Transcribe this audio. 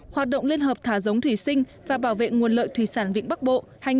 hoạt động liên hợp thả giống thủy sinh và bảo vệ nguồn lợi thủy sản vịnh bắc bộ hai nghìn hai mươi